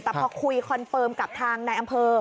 แต่พอคุยคอนเฟิร์มกับทางนายอำเภอ